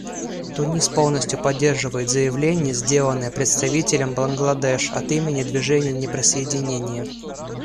Тунис полностью поддерживает заявление, сделанное представителем Бангладеш от имени Движения неприсоединения.